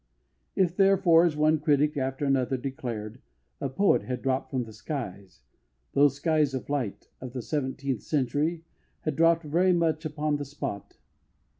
If, therefore, as one critic after another declared, a poet had dropped from the skies those skies of light of the Seventeenth Century, he dropped very much upon the spot.